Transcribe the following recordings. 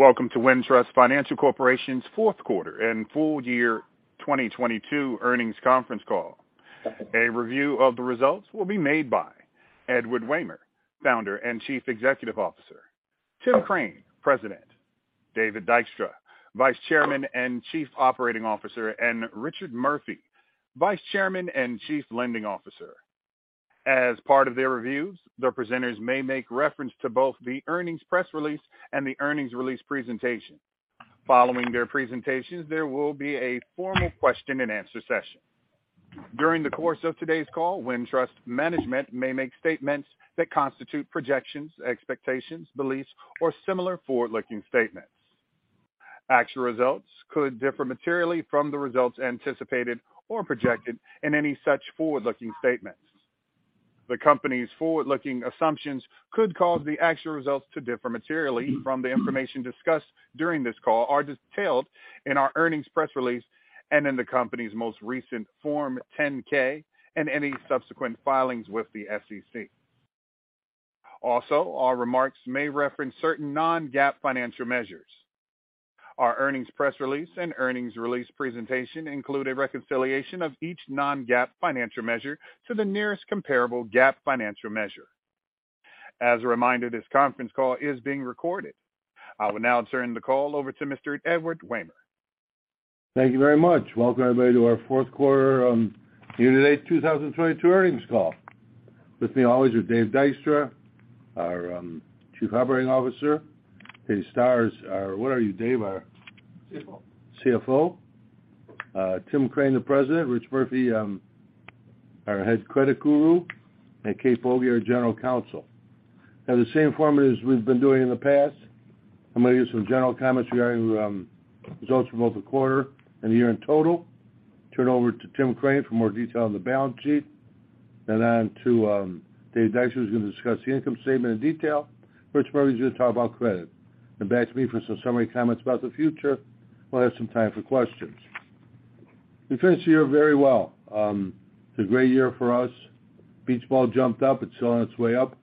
Welcome to Wintrust Financial Corporation's fourth quarter and full year 2022 earnings conference call. A review of the results will be made by Edward Wehmer, Founder and Chief Executive Officer, Tim Crane, President, David Dykstra, Vice Chairman and Chief Operating Officer, and Richard Murphy, Vice Chairman and Chief Lending Officer. As part of their reviews, the presenters may make reference to both the earnings press release and the earnings release presentation. Following their presentations, there will be a formal question-and-answer session. During the course of today's call, Wintrust management may make statements that constitute projections, expectations, beliefs, or similar forward-looking statements. Actual results could differ materially from the results anticipated or projected in any such forward-looking statements, The company's forward-looking assumptions could cause the actual results to differ materially from the information discussed during this call, are detailed in our earnings press release and in the company's most recent Form 10-K, and any subsequent filings with the SEC. Our remarks may reference certain non-GAAP financial measures. Our earnings press release and earnings release presentation include a reconciliation of each non-GAAP financial measure to the nearest comparable GAAP financial measure. As a reminder, this conference call is being recorded. I will now turn the call over to Mr. Edward Wehmer. Thank you very much. Welcome everybody to our fourth quarter, year-to-date 2022 earnings call. With me always are Dave Dykstra, our Chief Operating Officer. What are you, Dave? CFO. CFO. Tim Crane, the President. Rich Murphy, our head credit guru. Kate Boege, General Counsel. Now, the same format as we've been doing in the past, I'm gonna give some general comments regarding the results for both the quarter and the year-end total. Turn over to Tim Crane for more detail on the balance sheet. On to Dave Dykstra, who's gonna discuss the income statement in detail. Rich Murphy is gonna talk about credit. Back to me for some summary comments about the future. We'll have some time for questions. We finished the year very well. It's a great year for us. Beach ball jumped up. It's still on its way up.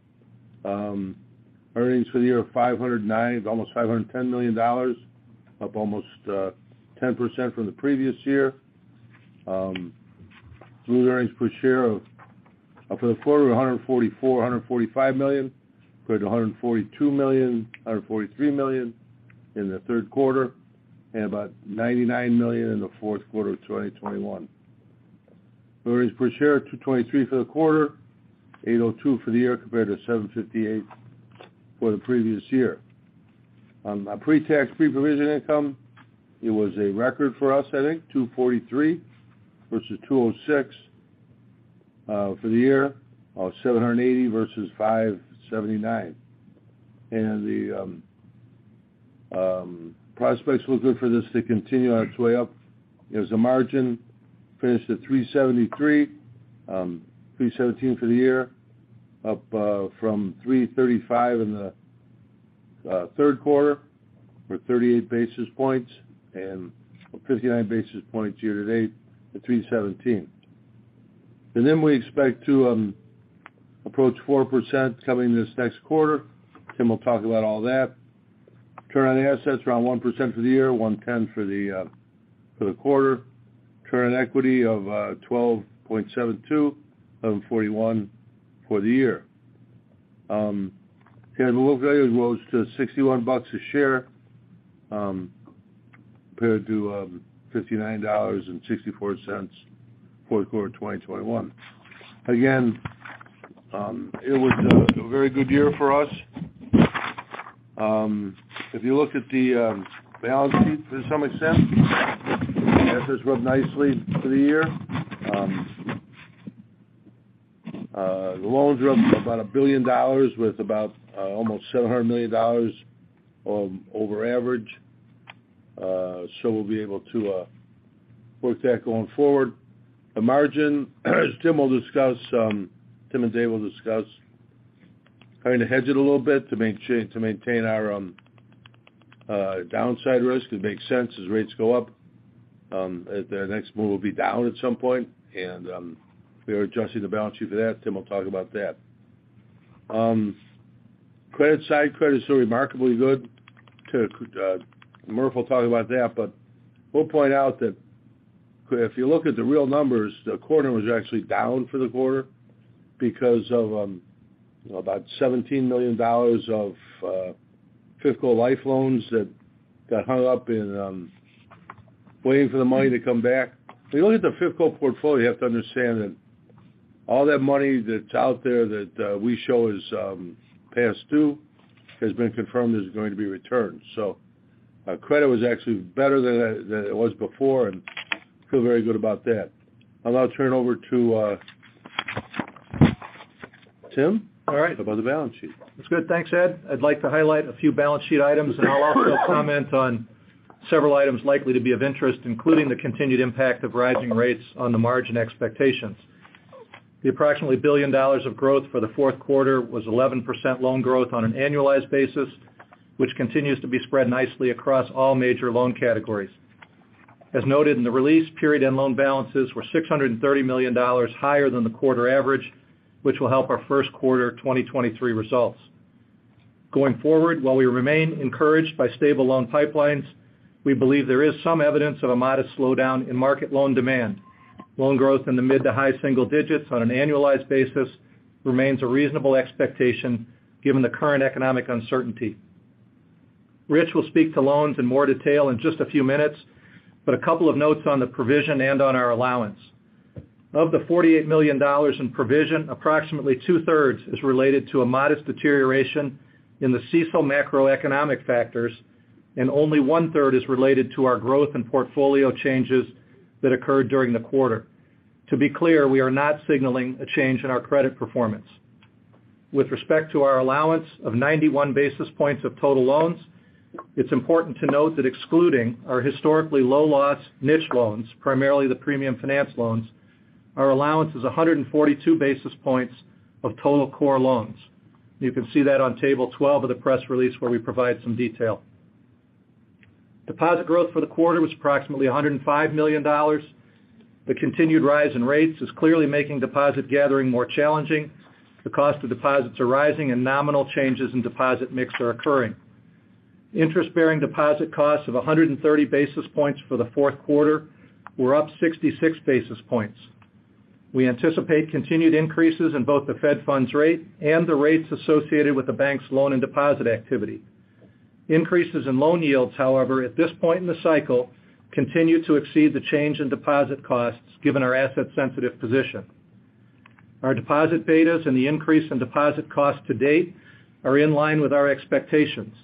Earnings for the year, $509 million, almost $510 million, up almost 10% from the previous year. Fully earnings per share of, up for the quarter $144 million-$145 million, compared to $142 million-$143 million in the third quarter, and about $99 million in the fourth quarter of 2021. Earnings per share, $2.23 for the quarter, $8.02 for the year, compared to $7.58 for the previous year. Our pre-tax, pre-provision income, it was a record for us, I think, $243 million versus $206 million for the year of $780 million versus $579 million. The prospects look good for this to continue on its way up. As a margin, finished at 3.73, 3.17 for the year, up from 3.35 in the third quarter for 38 basis points and 59 basis points year to date to 3.17. We expect to approach 4% coming this next quarter. Tim will talk about all that. Return on assets around 1% for the year, 1.10 for the quarter. Return on equity of 12.72, 11.41 for the year. Book value grows to $61 a share, compared to $59.64 for the quarter of 2021. It was a very good year for us. If you look at the balance sheet to some extent, assets rub nicely for the year. The loans rub about $1 billion with about almost $700 million of over average. We'll be able to work that going forward. The margin, as Tim will discuss, Tim and Dave will discuss, kind of hedge it a little bit to maintain our downside risk. It makes sense as rates go up, as their next move will be down at some point. We are adjusting the balance sheet for that. Tim will talk about that. Credit side, credit is still remarkably good. Murph will talk about that. We'll point out that if you look at the real numbers, the quarter was actually down for the quarter because of about $17 million of fifth co life loans that got hung up in waiting for the money to come back. If you look at the fifth co portfolio, you have to understand that all that money that's out there that we show is past due, has been confirmed is going to be returned. Our credit was actually better than it was before, and feel very good about that. I'll now turn over to Tim. All right. About the balance sheet. That's good. Thanks, Ed. I'd like to highlight a few balance sheet items. I'll also comment on several items likely to be of interest, including the continued impact of rising rates on the margin expectations. The approximately $ billion of growth for the fourth quarter was 11% loan growth on an annualized basis, which continues to be spread nicely across all major loan categories. As noted in the release, period end loan balances were $630 million higher than the quarter average, which will help our first quarter 2023 results. Going forward, while we remain encouraged by stable loan pipelines, we believe there is some evidence of a modest slowdown in market loan demand. Loan growth in the mid to high single digits on an annualized basis remains a reasonable expectation given the current economic uncertainty. Rich will speak to loans in more detail in just a few minutes, but a couple of notes on the provision and on our allowance. Of the $48 million in provision, approximately two-thirds is related to a modest deterioration in the CECL macroeconomic factors, and only one-third is related to our growth in portfolio changes that occurred during the quarter. To be clear, we are not signaling a change in our credit performance. With respect to our allowance of 91 basis points of total loans, it's important to note that excluding our historically low loss niche loans, primarily the premium finance loans, our allowance is 142 basis points of total core loans. You can see that on table 12 of the press release where we provide some detail. Deposit growth for the quarter was approximately $105 million. The continued rise in rates is clearly making deposit gathering more challenging. The cost of deposits are rising and nominal changes in deposit mix are occurring. Interest-bearing deposit costs of 130 basis points for the fourth quarter were up 66 basis points. We anticipate continued increases in both the federal funds rate and the rates associated with the bank's loan and deposit activity. Increases in loan yields, however, at this point in the cycle, continue to exceed the change in deposit costs given our asset sensitive position. Our deposit betas and the increase in deposit costs to date are in line with our expectations.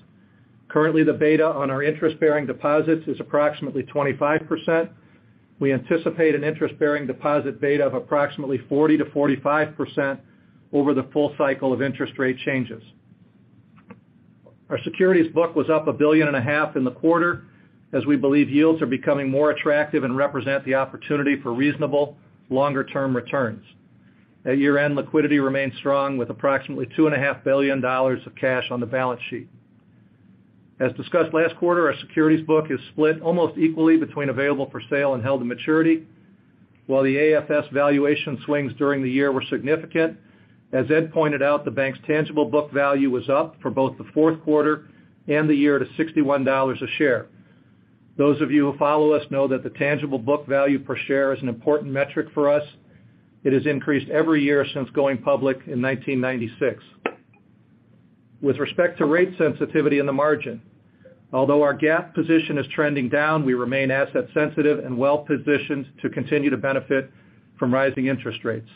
Currently, the beta on our interest-bearing deposits is approximately 25%. We anticipate an interest-bearing deposit beta of approximately 40%-45% over the full cycle of interest rate changes. Our securities book was up a billion and a half in the quarter, as we believe yields are becoming more attractive and represent the opportunity for reasonable longer-term returns. At year-end, liquidity remained strong with approximately two and a half billion dollars of cash on the balance sheet. As discussed last quarter, our securities book is split almost equally between available for sale and held to maturity. While the AFS valuation swings during the year were significant, as Ed pointed out, the bank's tangible book value was up for both the fourth quarter and the year to $61 a share. Those of you who follow us know that the tangible book value per share is an important metric for us. It has increased every year since going public in 1996. With respect to rate sensitivity in the margin, although our GAAP position is trending down, we remain asset sensitive and well-positioned to continue to benefit from rising interest rates.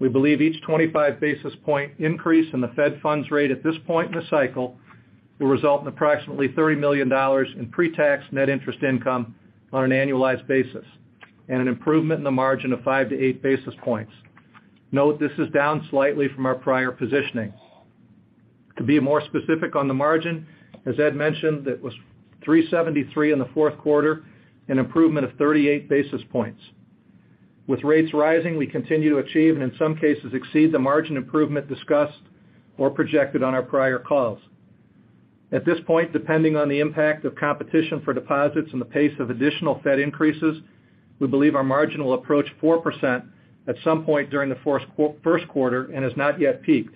We believe each 25 basis point increase in the federal funds rate at this point in the cycle will result in approximately $30 million in pre-tax net interest income on an annualized basis and an improvement in the margin of 5 to 8 basis points. Note this is down slightly from our prior positioning. To be more specific on the margin, as Ed mentioned, that was 3.73 in the fourth quarter, an improvement of 38 basis points. With rates rising, we continue to achieve and in some cases exceed the margin improvement discussed or projected on our prior calls. At this point, depending on the impact of competition for deposits and the pace of additional Fed increases, we believe our margin will approach 4% at some point during the first quarter and has not yet peaked.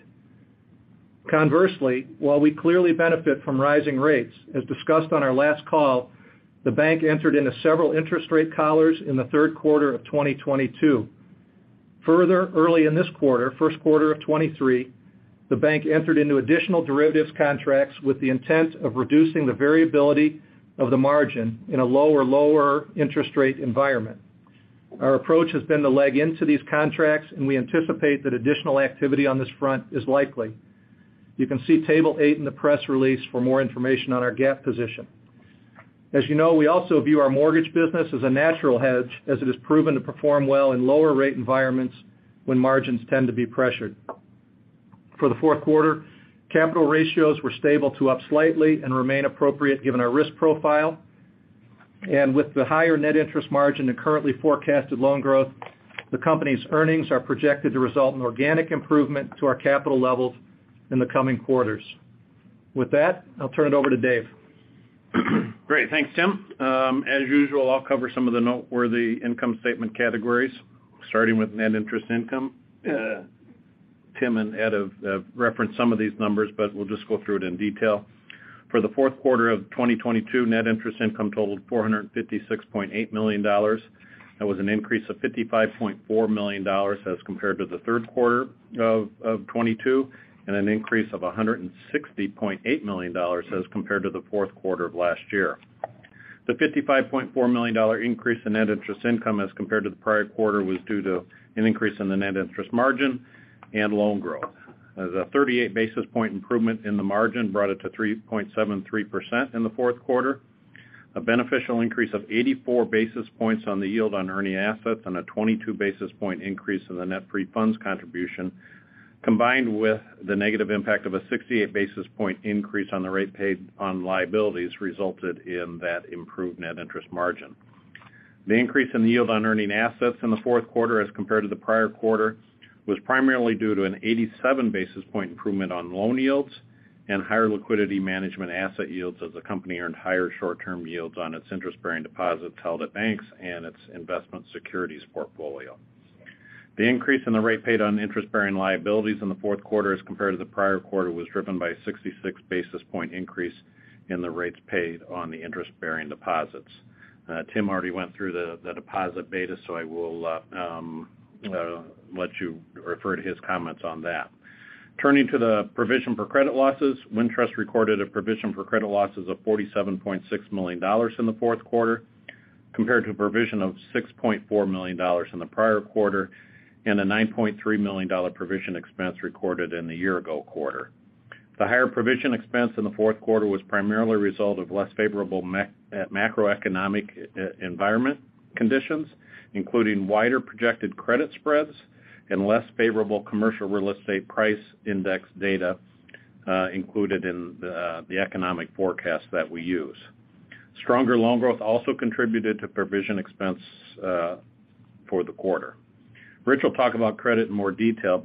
Conversely, while we clearly benefit from rising rates, as discussed on our last call, the bank entered into several interest rate collars in the third quarter of 2022. Further, early in this quarter, first quarter of 2023, the bank entered into additional derivatives contracts with the intent of reducing the variability of the margin in a lower interest rate environment. Our approach has been to leg into these contracts, and we anticipate that additional activity on this front is likely. You can see table 8 in the press release for more information on our GAAP position. As you know, we also view our mortgage business as a natural hedge as it has proven to perform well in lower rate environments when margins tend to be pressured. For the fourth quarter, capital ratios were stable to up slightly and remain appropriate given our risk profile. With the higher net interest margin and currently forecasted loan growth, the company's earnings are projected to result in organic improvement to our capital levels in the coming quarters. With that, I'll turn it over to Dave. Great. Thanks, Tim. As usual, I'll cover some of the noteworthy income statement categories, starting with net interest income. Tim and Ed have referenced some of these numbers, but we'll just go through it in detail. For the fourth quarter of 2022, net interest income totaled $456.8 million. That was an increase of $55.4 million as compared to the third quarter of 2022, and an increase of $160.8 million as compared to the fourth quarter of last year. The $55.4 million increase in net interest income as compared to the prior quarter was due to an increase in the net interest margin and loan growth. A 38 basis point improvement in the margin brought it to 3.73% in the fourth quarter. A beneficial increase of 84 basis points on the yield on earning assets and a 22 basis point increase in the net free funds contribution, combined with the negative impact of a 68 basis point increase on the rate paid on liabilities resulted in that improved net interest margin. The increase in the yield on earning assets in the fourth quarter as compared to the prior quarter was primarily due to an 87 basis point improvement on loan yields. Higher liquidity management asset yields as the company earned higher short-term yields on its interest-bearing deposits held at banks and its investment securities portfolio. The increase in the rate paid on interest-bearing liabilities in the fourth quarter as compared to the prior quarter was driven by a 66 basis point increase in the rates paid on the interest-bearing deposits. Tim already went through the deposit beta, I will let you refer to his comments on that. Turning to the provision for credit losses, Wintrust recorded a provision for credit losses of $47.6 million in the fourth quarter compared to a provision of $6.4 million in the prior quarter and a $9.3 million provision expense recorded in the year-ago quarter. The higher provision expense in the fourth quarter was primarily a result of less favorable macroeconomic environment conditions, including wider projected credit spreads and less favorable commercial real estate price index data included in the economic forecast that we use. Stronger loan growth also contributed to provision expense for the quarter. Rich Murphy will talk about credit in more detail,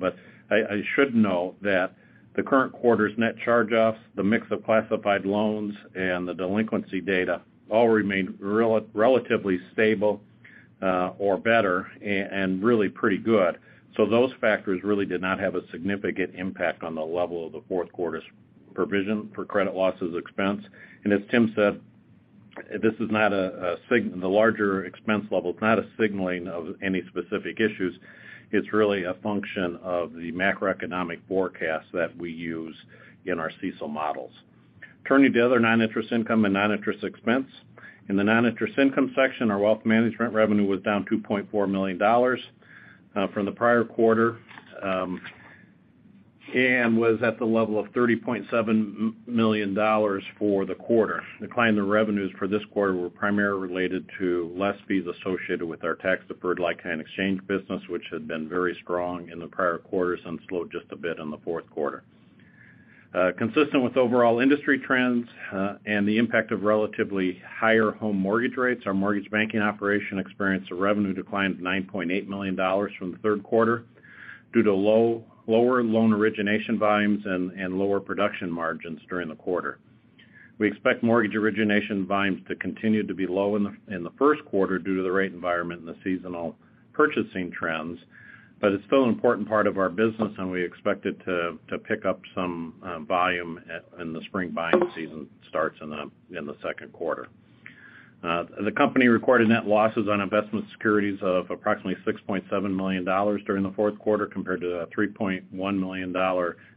I should note that the current quarter's net charge-offs, the mix of classified loans, and the delinquency data all remained relatively stable or better and really pretty good. Those factors really did not have a significant impact on the level of the fourth quarter's provision for credit losses expense. As Tim Crane said, this is not the larger expense level is not a signaling of any specific issues. It's really a function of the macroeconomic forecast that we use in our CECL models. Turning to other non-interest income and non-interest expense. In the non-interest income section, our wealth management revenue was down $2.4 million from the prior quarter and was at the level of $30.7 million for the quarter. Decline in the revenues for this quarter were primarily related to less fees associated with our tax-deferred like-kind exchange business, which had been very strong in the prior quarters and slowed just a bit in the fourth quarter. Consistent with overall industry trends, and the impact of relatively higher home mortgage rates, our mortgage banking operation experienced a revenue decline of $9.8 million from the third quarter due to lower loan origination volumes and lower production margins during the quarter. We expect mortgage origination volumes to continue to be low in the first quarter due to the rate environment and the seasonal purchasing trends. It's still an important part of our business, and we expect it to pick up some volume and the spring buying season starts in the second quarter. The company recorded net losses on investment securities of approximately $6.7 million during the fourth quarter, compared to a $3.1 million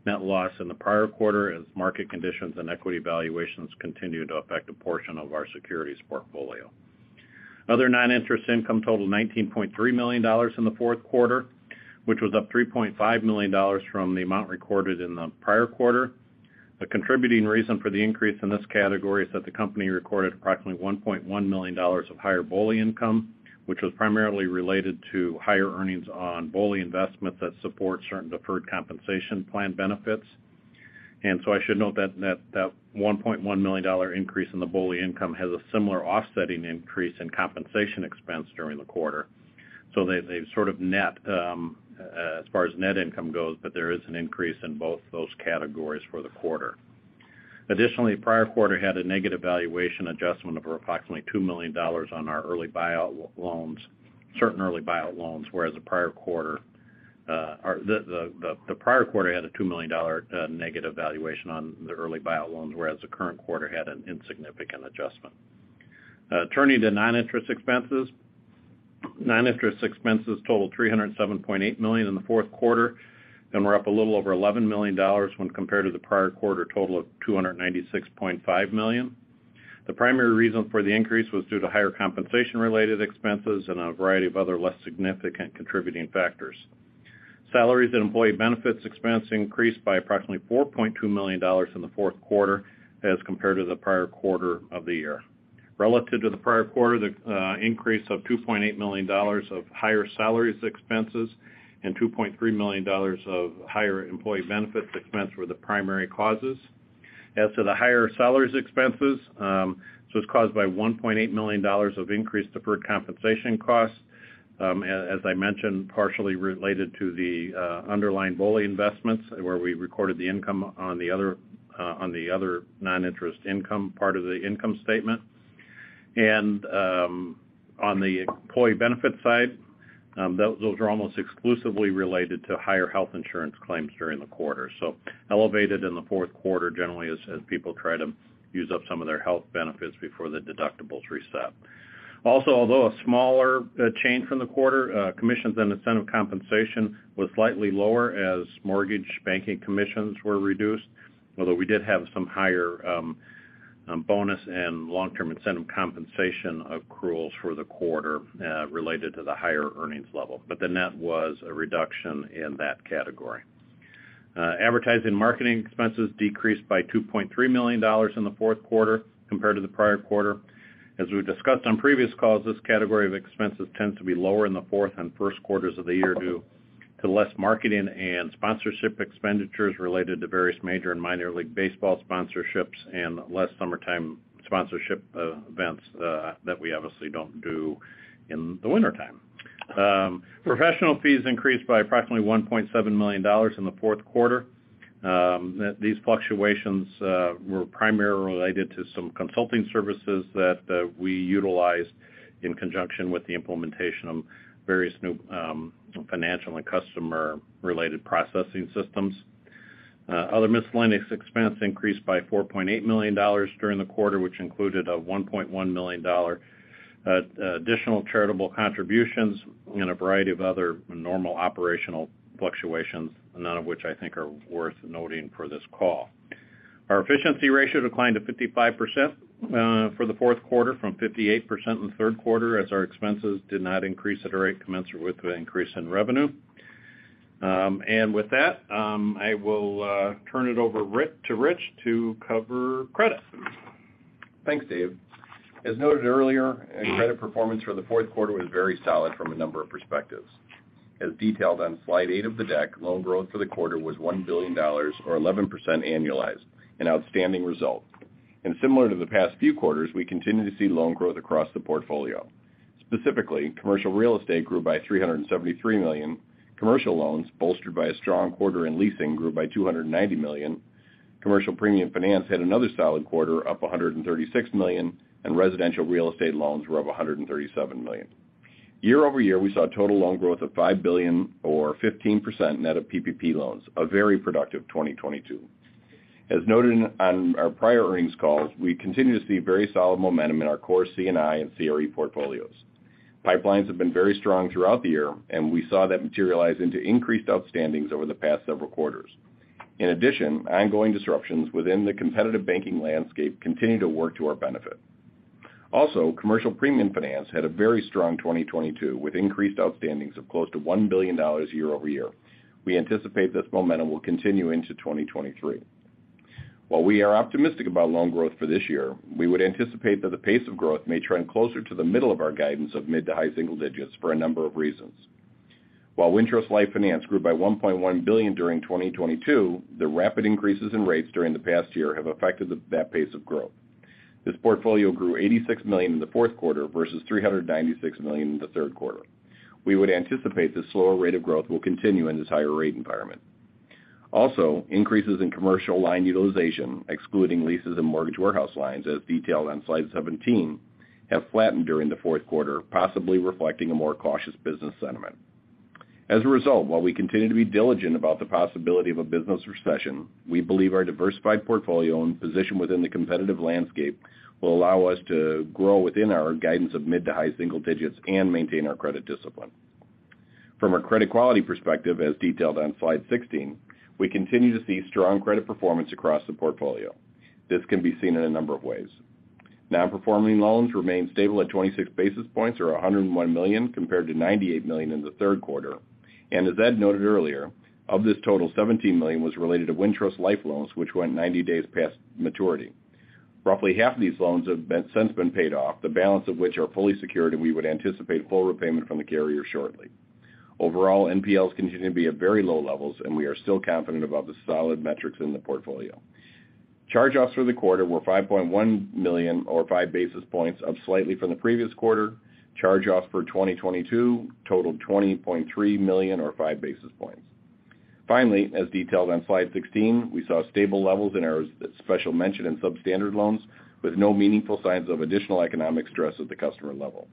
net loss in the prior quarter as market conditions and equity valuations continued to affect a portion of our securities portfolio. Other non-interest income totaled $19.3 million in the fourth quarter, which was up $3.5 million from the amount recorded in the prior quarter. The contributing reason for the increase in this category is that the company recorded approximately $1.1 million of higher BOLI income, which was primarily related to higher earnings on BOLI investments that support certain deferred compensation plan benefits. I should note that $1.1 million increase in the BOLI income has a similar offsetting increase in compensation expense during the quarter. They sort of net, as far as net income goes, but there is an increase in both those categories for the quarter. Additionally, prior quarter had a negative valuation adjustment of approximately $2 million on our early buyout loans, certain early buyout loans, whereas the prior quarter had a $2 million negative valuation on the early buyout loans, whereas the current quarter had an insignificant adjustment. Turning to non-interest expenses. Non-interest expenses totaled $307.8 million in the fourth quarter and were up a little over $11 million when compared to the prior quarter total of $296.5 million. The primary reason for the increase was due to higher compensation-related expenses and a variety of other less significant contributing factors. Salaries and employee benefits expense increased by approximately $4.2 million in the fourth quarter as compared to the prior quarter of the year. Relative to the prior quarter, the increase of $2.8 million of higher salaries expenses and $2.3 million of higher employee benefits expense were the primary causes. As to the higher salaries expenses, it's caused by $1.8 million of increased deferred compensation costs, as I mentioned, partially related to the underlying BOLI investments where we recorded the income on the other on the other non-interest income part of the income statement. On the employee benefit side, those are almost exclusively related to higher health insurance claims during the quarter. Elevated in the fourth quarter generally as people try to use up some of their health benefits before the deductibles reset. Also, although a smaller change from the quarter, commissions and incentive compensation was slightly lower as mortgage banking commissions were reduced, although we did have some higher bonus and long-term incentive compensation accruals for the quarter related to the higher earnings level. The net was a reduction in that category. Advertising and marketing expenses decreased by $2.3 million in the fourth quarter compared to the prior quarter. As we've discussed on previous calls, this category of expenses tends to be lower in the fourth and first quarters of the year due to less marketing and sponsorship expenditures related to various Major and Minor League Baseball sponsorships and less summertime sponsorship events that we obviously don't do in the wintertime. Professional fees increased by approximately $1.7 million in the fourth quarter. These fluctuations were primarily related to some consulting services that we utilized in conjunction with the implementation of various new financial and customer-related processing systems. Other miscellaneous expense increased by $4.8 million during the quarter, which included a $1.1 million additional charitable contributions and a variety of other normal operational fluctuations, none of which I think are worth noting for this call. Our efficiency ratio declined to 55% for the fourth quarter from 58% in the third quarter, as our expenses did not increase at a rate commensurate with the increase in revenue. With that, I will turn it over to Rich to cover credit. Thanks, Dave. As noted earlier, our credit performance for the fourth quarter was very solid from a number of perspectives. Similar to the past few quarters, we continue to see loan growth across the portfolio. Specifically, commercial real estate grew by $373 million. Commercial loans, bolstered by a strong quarter in leasing, grew by $290 million. Commercial premium finance had another solid quarter, up $136 million, and residential real estate loans were up $137 million. Year-over-year, we saw total loan growth of $5 billion or 15% net of PPP loans, a very productive 2022. As noted on our prior earnings calls, we continue to see very solid momentum in our core C&I and CRE portfolios. Pipelines have been very strong throughout the year, and we saw that materialize into increased outstandings over the past several quarters. In addition, ongoing disruptions within the competitive banking landscape continue to work to our benefit. Commercial premium finance had a very strong 2022, with increased outstandings of close to $1 billion year-over-year. We anticipate this momentum will continue into 2023. While we are optimistic about loan growth for this year, we would anticipate that the pace of growth may trend closer to the middle of our guidance of mid to high single digits for a number of reasons. While Wintrust Life Finance grew by $1.1 billion during 2022, the rapid increases in rates during the past year have affected that pace of growth. This portfolio grew $86 million in the fourth quarter versus $396 million in the third quarter. We would anticipate this slower rate of growth will continue in this higher rate environment. Also, increases in commercial line utilization, excluding leases and mortgage warehouse lines, as detailed on slide 17, have flattened during the fourth quarter, possibly reflecting a more cautious business sentiment. As a result, while we continue to be diligent about the possibility of a business recession, we believe our diversified portfolio and position within the competitive landscape will allow us to grow within our guidance of mid to high single digits and maintain our credit discipline. From a credit quality perspective, as detailed on slide 16, we continue to see strong credit performance across the portfolio. This can be seen in a number of ways. Non-performing loans remained stable at 26 basis points, or $101 million, compared to $98 million in the third quarter. As Ed noted earlier, of this total, $17 million was related to Wintrust Life loans, which went 90 days past maturity. Roughly half of these loans since been paid off, the balance of which are fully secured, and we would anticipate full repayment from the carrier shortly. Overall, NPLs continue to be at very low levels, and we are still confident about the solid metrics in the portfolio. Charge-offs for the quarter were $5.1 million or 5 basis points, up slightly from the previous quarter. Charge-offs for 2022 totaled $20.3 million or 5 basis points. Finally, as detailed on slide 16, we saw stable levels in our special mention and substandard loans, with no meaningful signs of additional economic stress at the customer level.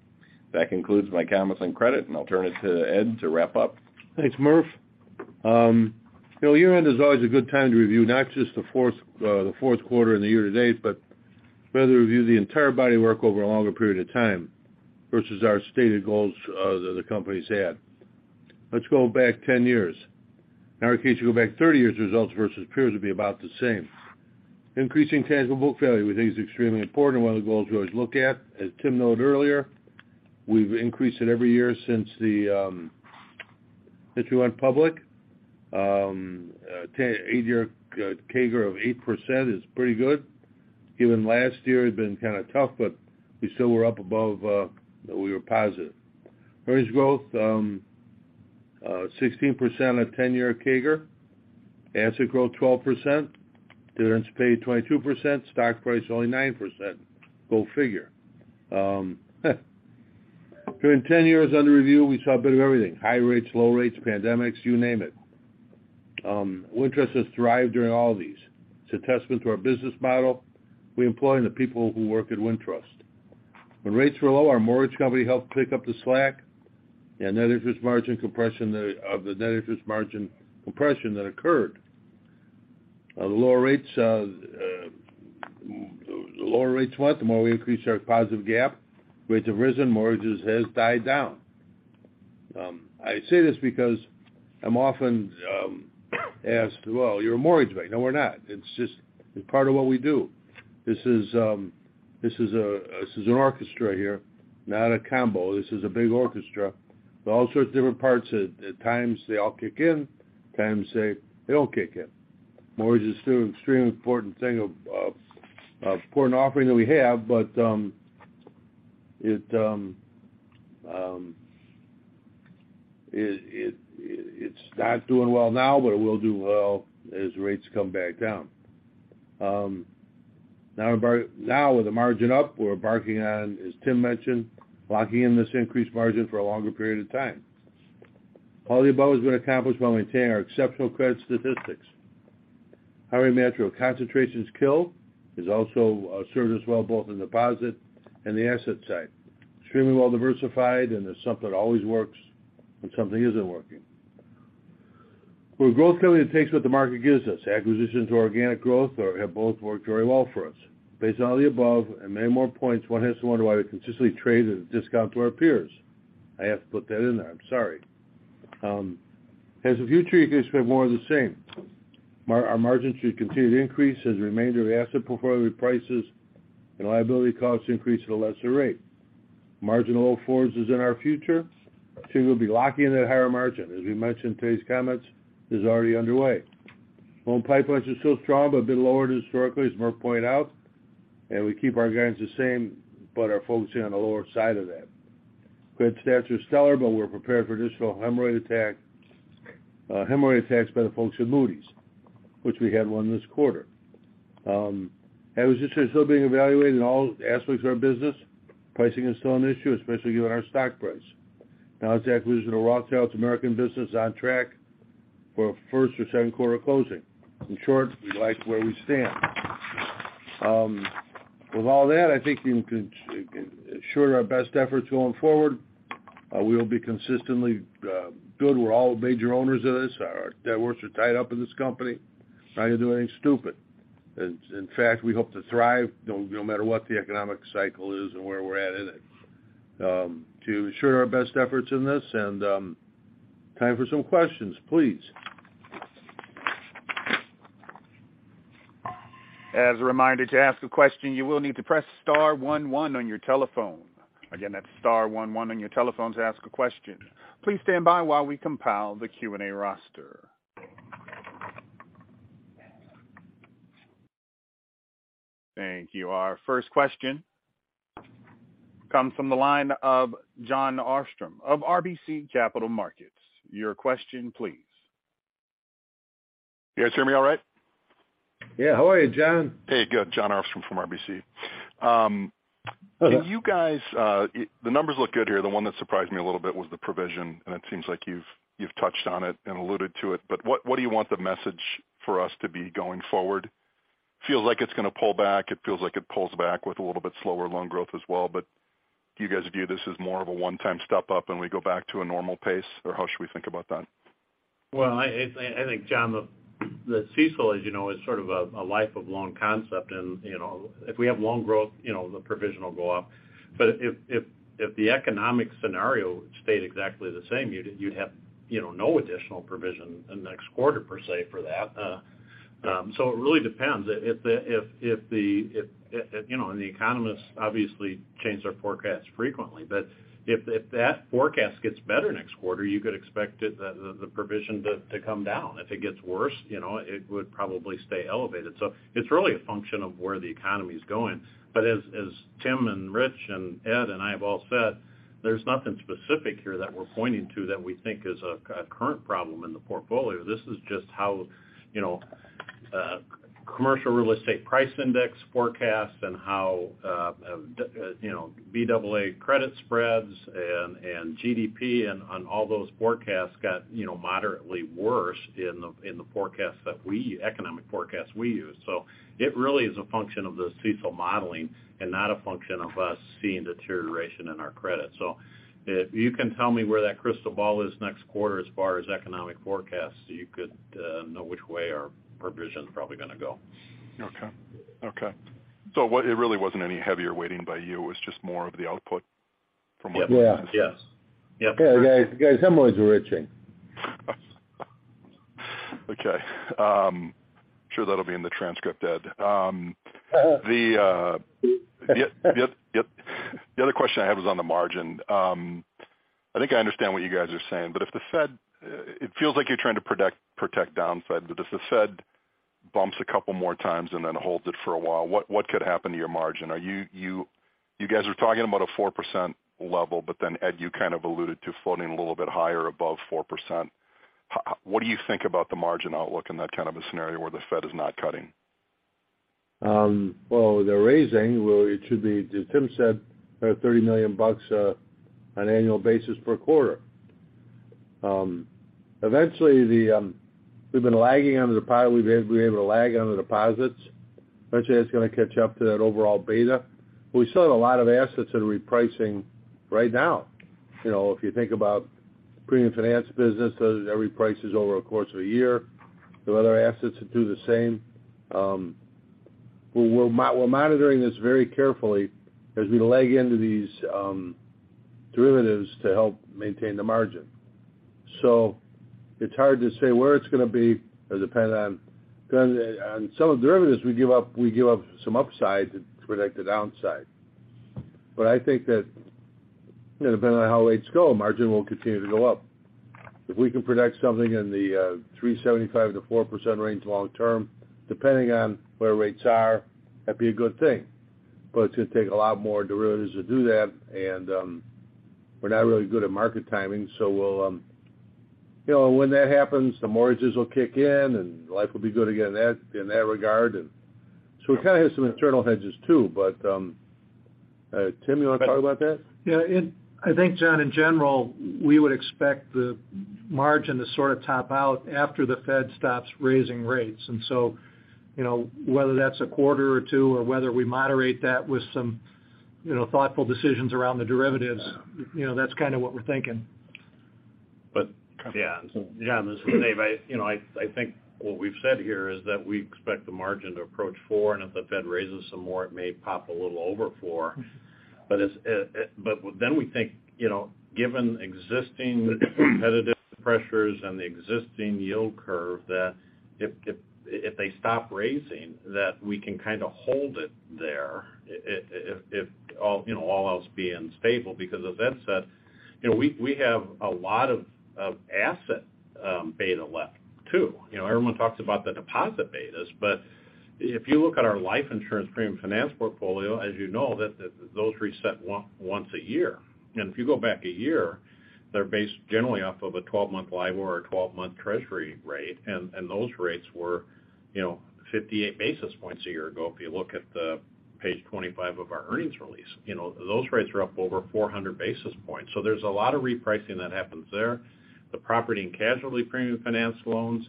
That concludes my comments on credit, and I'll turn it to Ed to wrap up. Thanks, Murph. You know, year-end is always a good time to review not just the fourth quarter and the year to date, but rather review the entire body of work over a longer period of time versus our stated goals that the company's had. Let's go back 10 years. In our case, you go back 30 years, results versus peers would be about the same. Increasing tangible book value we think is extremely important, one of the goals we always look at. As Tim noted earlier, we've increased it every year since we went public. Eight-year CAGR of 8% is pretty good. Even last year had been kind of tough, we still were up above. We were positive. Earnings growth, 16% at 10-year CAGR. Asset growth, 12%. Dividends paid, 22%. Stock price, only 9%. Go figure. During 10 years under review, we saw a bit of everything: high rates, low rates, pandemics, you name it. Wintrust has thrived during all of these. It's a testament to our business model we employ and the people who work at Wintrust. When rates were low, our mortgage company helped pick up the slack and net interest margin compression of the net interest margin compression that occurred. The lower rates went, the more we increased our positive gap. Rates have risen, mortgages has died down. I say this because I'm often asked, "Well, you're a mortgage bank." No, we're not. It's just, it's part of what we do. This is, this is an orchestra here, not a combo. This is a big orchestra with all sorts of different parts. At times, they all kick in. Times they don't kick in. Mortgage is still an extremely important thing of important offering that we have, but it's not doing well now, but it will do well as rates come back down. Now with the margin up, we're embarking on, as Tim mentioned, locking in this increased margin for a longer period of time. All the above has been accomplished while maintaining our exceptional credit statistics. Harry Mantral concentrations kill is also served us well both in deposit and the asset side. Extremely well diversified, and it's something that always works when something isn't working. We're a growth company that takes what the market gives us. Acquisitions or organic growth or have both worked very well for us. Based on all the above and many more points, one has to wonder why we consistently trade at a discount to our peers. I have to put that in there. I'm sorry. As of future, you can expect more of the same. Our margin should continue to increase as the remainder of the asset portfolio prices and liability costs increase at a lesser rate. Margin of all fours is in our future. Two, we'll be locking in at higher margin. As we mentioned in today's comments, is already underway. Loan pipelines are still strong, but a bit lower than historically, as Mark pointed out, we keep our guidance the same, but are focusing on the lower side of that. Credit stats are stellar, but we're prepared for additional hemorrhoid attacks by the folks at Moody's, which we had one this quarter. As I just said, still being evaluated in all aspects of our business. Pricing is still an issue, especially given our stock price. Balance acquisition of Rothschild's American business is on track for a first or second quarter closing. In short, we like where we stand. With all that, I think you can ensure our best efforts going forward. We'll be consistently good. We're all major owners of this. Our networks are tied up in this company. Not gonna do anything stupid. In fact, we hope to thrive no matter what the economic cycle is and where we're at in it. To ensure our best efforts in this and time for some questions, please. As a reminder, to ask a question, you will need to press star one one on your telephone. Again, that's star one one on your telephone to ask a question. Please stand by while we compile the Q&A roster. Thank you. Our first question comes from the line of Jon Arfstrom of RBC Capital Markets. Your question, please. You guys hear me all right? Yeah. How are you, John? Hey, good. Jon Arfstrom from RBC. Hello. You guys, the numbers look good here. The one that surprised me a little bit was the provision, and it seems like you've touched on it and alluded to it. What do you want the message for us to be going forward? Feels like it's gonna pull back. It feels like it pulls back with a little bit slower loan growth as well. Do you guys view this as more of a one-time step up and we go back to a normal pace? Or how should we think about that? Well, I think, Jon, the CECL, as you know, is sort of a life of loan concept. You know, if we have loan growth, you know, the provision will go up. If the economic scenario stayed exactly the same, you'd have, you know, no additional provision in the next quarter per se for that. It really depends. If the, you know, economists obviously change their forecasts frequently. If that forecast gets better next quarter, you could expect it, the provision to come down. If it gets worse, you know, it would probably stay elevated. It's really a function of where the economy's going. As Tim and Rich and Ed and I have all said, there's nothing specific here that we're pointing to that we think is a current problem in the portfolio. This is just how, you know, commercial real estate price index forecasts and how, you know, BAA credit spreads and GDP and on all those forecasts got, you know, moderately worse in the forecasts that economic forecasts we use. It really is a function of the CECL modeling and not a function of us seeing deterioration in our credit. If you can tell me where that crystal ball is next quarter as far as economic forecasts, you could know which way our provision is probably gonna go. Okay. Okay. It really wasn't any heavier weighting by you. It was just more of the output from what. Yeah. Yes. Yeah. Guys, hemorrhoids are itching. Okay. I'm sure that'll be in the transcript, Ed. The other question I have is on the margin. I think I understand what you guys are saying, but if the Fed It feels like you're trying to protect downside. If the Fed bumps a couple more times and then holds it for a while, what could happen to your margin? Are you You guys are talking about a 4% level, then Ed, you kind of alluded to floating a little bit higher above 4%. What do you think about the margin outlook in that kind of a scenario where the Fed is not cutting? Well, they're raising. Well, it should be, as Tim said, $30 million on annual basis per quarter. Eventually, the We've been able to lag on the deposits. Eventually, it's gonna catch up to that overall beta. We still have a lot of assets that are repricing right now. You know, if you think about premium finance businesses, every price is over a course of a year. There are other assets that do the same. We're monitoring this very carefully as we lag into these derivatives to help maintain the margin. It's hard to say where it's gonna be. It depends on some of the derivatives we give up, we give up some upside to protect the downside. I think that, depending on how rates go, margin will continue to go up. If we can protect something in the 3.75%-4% range long term, depending on where rates are, that'd be a good thing. It's gonna take a lot more derivatives to do that, and, we're not really good at market timing, so You know, when that happens, the mortgages will kick in and life will be good again in that, in that regard. We kind of have some internal hedges too. Tim, you want to talk about that? Yeah. I think, John, in general, we would expect the margin to sort of top out after the Fed stops raising rates. You know, whether that's a quarter or two, or whether we moderate that with some, you know, thoughtful decisions around the derivatives, you know, that's kind of what we're thinking. But- John, this is Dave. you know, I think what we've said here is that we expect the margin to approach four, and if the Fed raises some more, it may pop a little over four. we think, you know, given existing competitive pressures and the existing yield curve, that if they stop raising, that we can kind of hold it there if all, you know, all else being stable. As Ed said, you know, we have a lot of asset beta left too. You know, everyone talks about the deposit betas. If you look at our life insurance premium finance portfolio, as you know, those reset once a year. If you go back one year, they're based generally off of a 12-month LIBOR or a 12-month Treasury rate. Those rates were, you know, 58 basis points a year ago, if you look at the page 25 of our earnings release. You know, those rates are up over 400 basis points. There's a lot of repricing that happens there. The property and casualty premium finance loans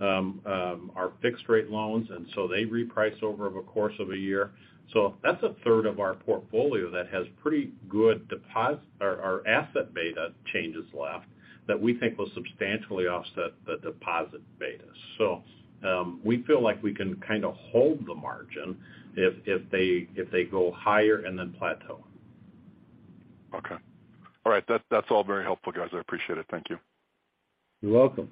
are fixed rate loans, and so they reprice over a course of a year. That's a third of our portfolio that has pretty good deposit or asset beta changes left that we think will substantially offset the deposit betas. We feel like we can kind of hold the margin if they go higher and then plateau. Okay. All right. That's all very helpful, guys. I appreciate it. Thank you. You're welcome.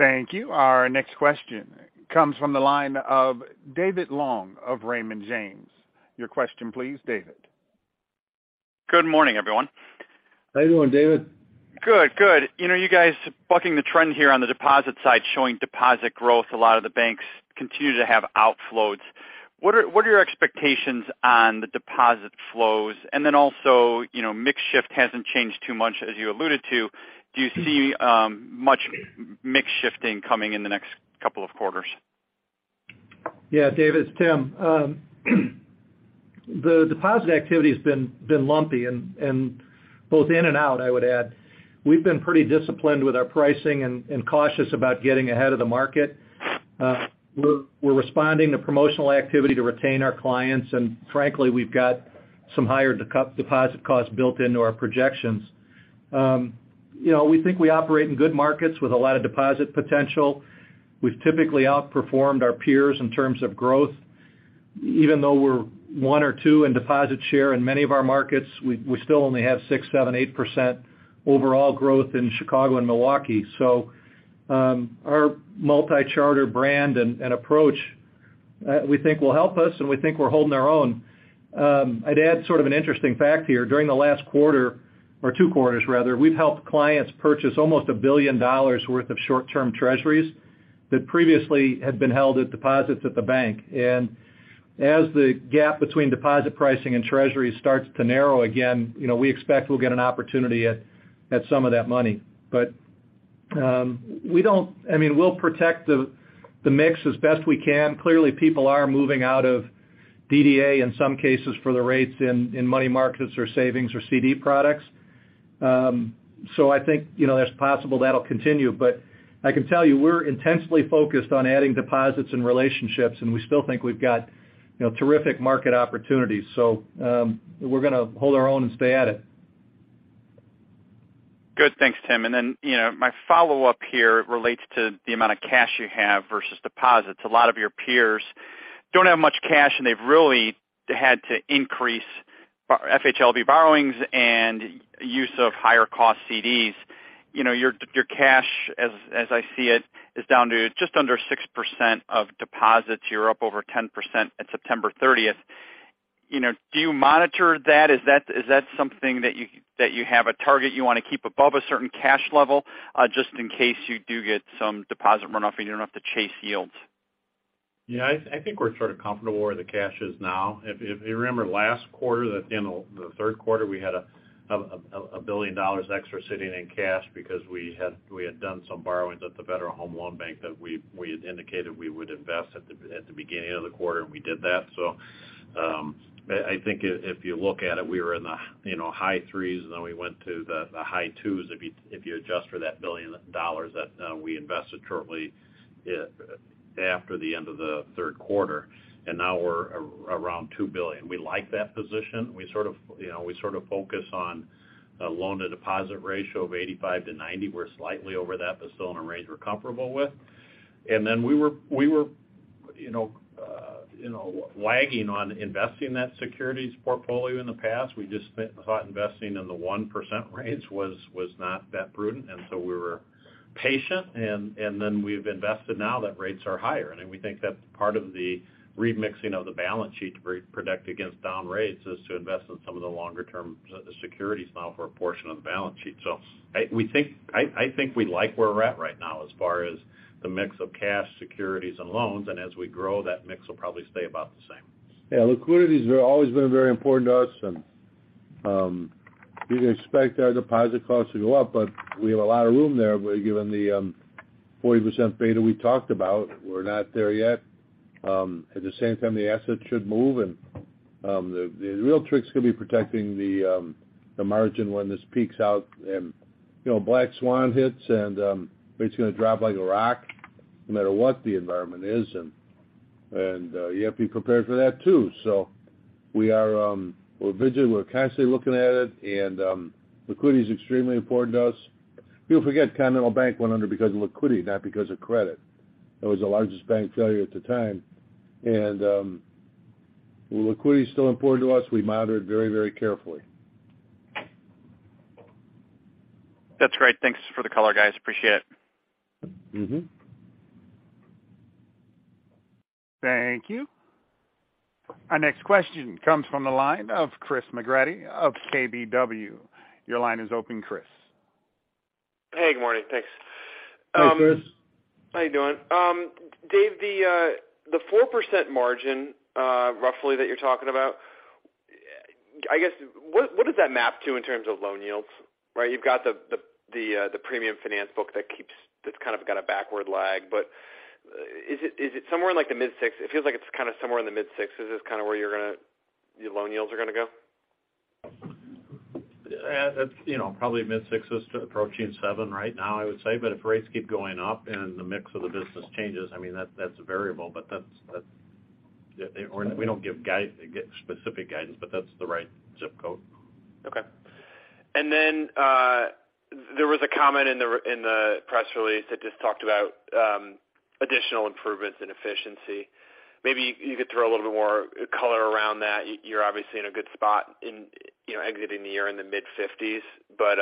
Thank you. Our next question comes from the line of David Long of Raymond James. Your question, please, David. Good morning, everyone. How you doing, David? Good. Good. You know, you guys bucking the trend here on the deposit side, showing deposit growth. A lot of the banks continue to have outflows. What are your expectations on the deposit flows? Also, you know, mix shift hasn't changed too much, as you alluded to. Do you see much mix shifting coming in the next couple of quarters? Yeah, David, it's Tim. The deposit activity has been lumpy and both in and out, I would add. We've been pretty disciplined with our pricing and cautious about getting ahead of the market. We're responding to promotional activity to retain our clients. Frankly, we've got some higher deposit costs built into our projections. You know, we think we operate in good markets with a lot of deposit potential. We've typically outperformed our peers in terms of growth. Even though we're one or two in deposit share in many of our markets, we still only have 6%, 7%, 8% overall growth in Chicago and Milwaukee. Our multi-charter brand and approach, we think will help us, and we think we're holding our own. I'd add sort of an interesting fact here. During the last quarter, or two quarters rather, we've helped clients purchase almost $1 billion worth of short-term Treasuries that previously had been held at deposits at the bank. As the gap between deposit pricing and Treasuries starts to narrow again, you know, we expect we'll get an opportunity at some of that money. I mean, we'll protect the mix as best we can. Clearly, people are moving out of DDA in some cases for the rates in money markets or savings or CD products. I think, you know, that's possible that'll continue. I can tell you, we're intensely focused on adding deposits and relationships, and we still think we've got, you know, terrific market opportunities. We're going to hold our own and stay at it. Good. Thanks, Tim. You know, my follow-up here relates to the amount of cash you have versus deposits. A lot of your peers don't have much cash, and they've really had to increase FHLB borrowings and use of higher cost CDs. You know, your cash, as I see it, is down to just under 6% of deposits. You're up over 10% at September 30th. You know, do you monitor that? Is that something that you have a target you want to keep above a certain cash level just in case you do get some deposit runoff and you don't have to chase yields? I think we're sort of comfortable where the cash is now. If, if you remember last quarter, that in the third quarter, we had a $1 billion extra sitting in cash because we had, we had done some borrowings at the Federal Home Loan Bank that we had indicated we would invest at the, at the beginning of the quarter, and we did that. I think if you look at it, we were in the, you know, high threes and then we went to the high twos, if you, if you adjust for that $1 billion that we invested shortly after the end of the third quarter. Now we're around $2 billion. We like that position. We sort of, you know, we sort of focus on a loan-to-deposit ratio of 85%-90%. We're slightly over that, but still in a range we're comfortable with. Then we were, you know, lagging on investing that securities portfolio in the past. We thought investing in the 1% rates was not that prudent. So we were patient and then we've invested now that rates are higher. We think that's part of the remixing of the balance sheet to protect against down rates is to invest in some of the longer-term securities now for a portion of the balance sheet. I think we like where we're at right now as far as the mix of cash, securities, and loans. As we grow, that mix will probably stay about the same. Yeah. Liquidity's always been very important to us and you can expect our deposit costs to go up, but we have a lot of room there, given the 40% beta we talked about, we're not there yet. At the same time, the assets should move, and the real trick is going to be protecting the margin when this peaks out and, you know, black swan hits, and rates are going to drop like a rock no matter what the environment is, and you have to be prepared for that, too. We are, we're vigilant, we're constantly looking at it, and liquidity is extremely important to us. People forget Continental Bank went under because of liquidity, not because of credit. It was the largest bank failure at the time. Well, liquidity is still important to us. We monitor it very, very carefully. That's great. Thanks for the color, guys. Appreciate it. Mm-hmm. Thank you. Our next question comes from the line of Chris McGratty of KBW. Your line is open, Chris. Hey, good morning. Thanks. Hi, Chris. How you doing? Dave, the 4% margin, roughly that you're talking about, I guess, what does that map to in terms of loan yields? Right? You've got the premium finance book that's kind of got a backward lag. Is it somewhere in like the mid-six? It feels like it's kind of somewhere in the mid-six. Is this kind of where your loan yields are gonna go? Yeah, it's, you know, probably mid-six to approaching 7% right now, I would say. If rates keep going up and the mix of the business changes, I mean, that's a variable, but We don't give specific guidance, but that's the right ZIP Code. Okay. Then, there was a comment in the press release that just talked about additional improvements in efficiency. Maybe you could throw a little bit more color around that. You're obviously in a good spot in, you know, exiting the year in the mid-50s%. But,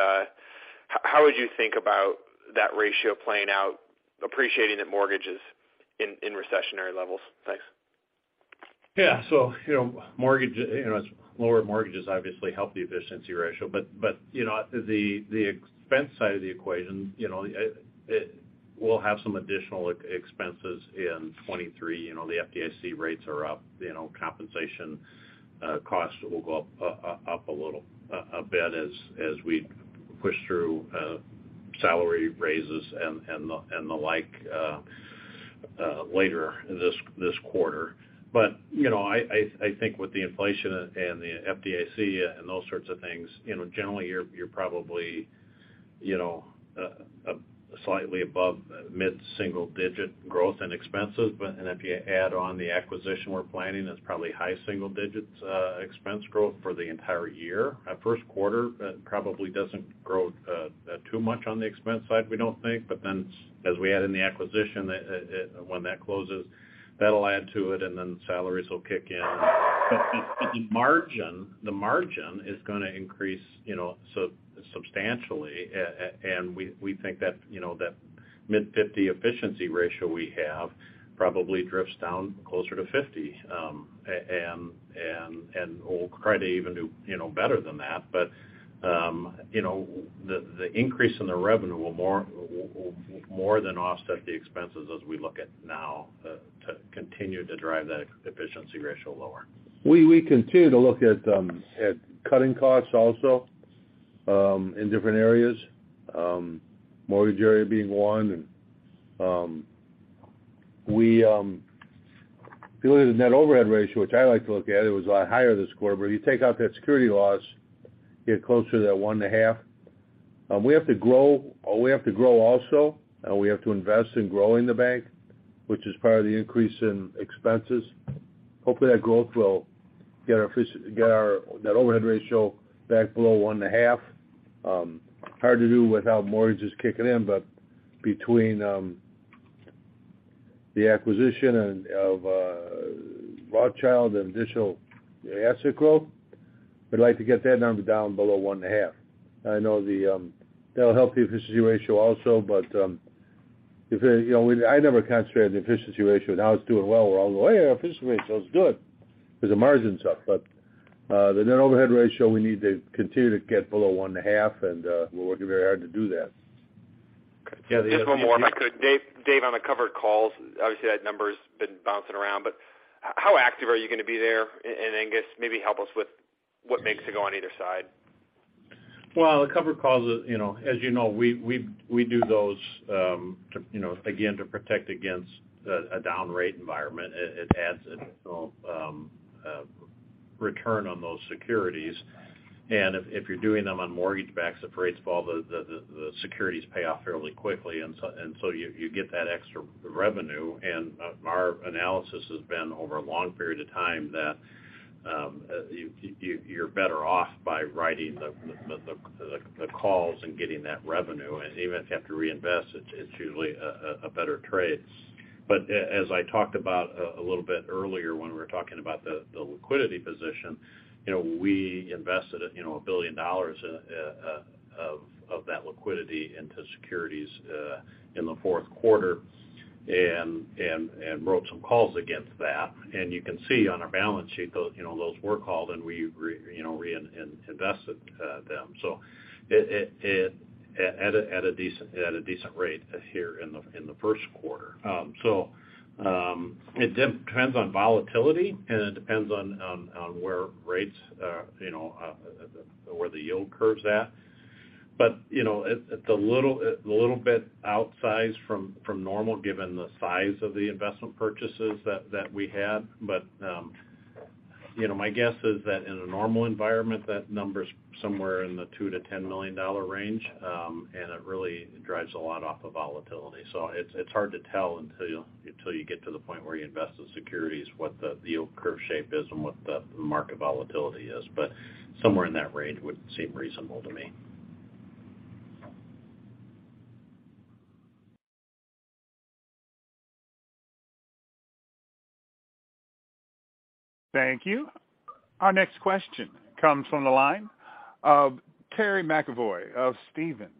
how would you think about that ratio playing out, appreciating that mortgage is in recessionary levels? Thanks. Yeah. you know, mortgage, you know, lower mortgages obviously help the efficiency ratio. But, you know, the expense side of the equation, you know, we'll have some additional expenses in 2023. You know, the FDIC rates are up. You know, compensation costs will go up a little bit as we push through salary raises and the like later this quarter. you know, I think with the inflation and the FDIC and those sorts of things, you know, generally you're probably, you know, slightly above mid-single digit growth and expenses. If you add on the acquisition we're planning, it's probably high single digits expense growth for the entire year. At first quarter, it probably doesn't grow too much on the expense side, we don't think. As we add in the acquisition, when that closes, that'll add to it, and then salaries will kick in. The margin is going to increase, you know, substantially. We think that, you know, that mid-50% efficiency ratio we have probably drifts down closer to 50%, and we'll try to even do, you know, better than that. The increase in the revenue will more than offset the expenses as we look at now, to continue to drive that efficiency ratio lower. We continue to look at cutting costs also in different areas, mortgage area being one. We if you look at the net overhead ratio, which I like to look at, it was a lot higher this quarter, but you take out that security loss, you're closer to that 1.5. We have to grow. We have to grow also, and we have to invest in growing the bank, which is part of the increase in expenses. Hopefully, that growth will get our overhead ratio back below 1.5. Hard to do without mortgages kicking in. Between the acquisition of Rothschild and additional asset growth, we'd like to get that number down below 1.5. I know the that'll help the efficiency ratio also. If, you know, I never concentrate on the efficiency ratio. Now it's doing well. We're all, "Oh, yeah, our efficiency ratio is good because the margin's up." The net overhead ratio, we need to continue to get below 1.5, and we're working very hard to do that. Just one more if I could. Dave, on the covered calls, obviously that number's been bouncing around, but how active are you going to be there? I guess maybe help us with what makes it go on either side. The covered calls, you know, as you know, we do those, to, you know, again, to protect against a down rate environment. It adds, you know, return on those securities. If you're doing them on mortgage backs, if rates fall, the securities pay off fairly quickly. So you get that extra revenue. Our analysis has been over a long period of time that, you're better off by writing the calls and getting that revenue. Even if you have to reinvest, it's usually a better trade. As I talked about a little bit earlier when we were talking about the liquidity position, you know, we invested, you know, $1 billion of that liquidity into securities in the fourth quarter and wrote some calls against that. You can see on our balance sheet, those, you know, those were called and we rein-invested them, so it at a decent rate here in the first quarter. It depends on volatility and it depends on where rates, you know, where the yield curve is at. You know, it's a little bit outsized from normal given the size of the investment purchases that we had. You know, my guess is that in a normal environment, that number's somewhere in the $2-$10 million range, and it really drives a lot off of volatility. It's hard to tell until you get to the point where you invest in securities what the yield curve shape is and what the market volatility is. Somewhere in that range would seem reasonable to me. Thank you. Our next question comes from the line of Terry McEvoy of Stephens.